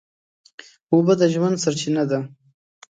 اوبه د ژوند سرچینه ده.